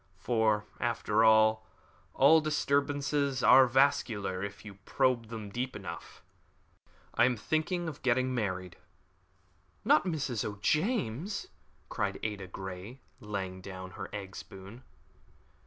For, after all, all disturbances are vascular if you probe them deep enough. I am thinking of getting married." "Not Mrs. O'James" cried Ada Grey, laying down her egg spoon.